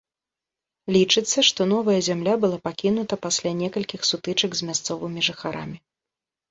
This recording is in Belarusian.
Лічыцца, што новая зямля была пакінута пасля некалькіх сутычак з мясцовымі жыхарамі.